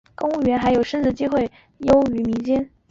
不过公务员内部缺额的升职机会还是优于民间。